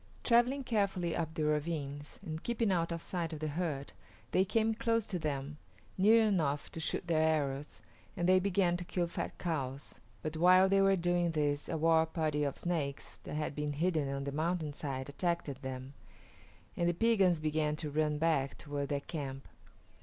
Travelling carefully up the ravines, and keeping out of sight of the herd, they came close to them, near enough to shoot their arrows, and they began to kill fat cows. But while they were doing this a war party of Snakes that had been hidden on the mountainside attacked them, and the Piegans began to run back toward their camp.